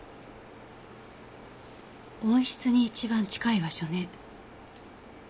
温室に一番近い場所ね。